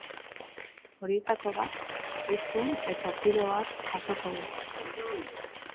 Horietako bat irten eta tiro bat jasoko du.